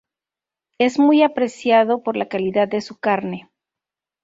Es muy apreciado por la calidad de su carne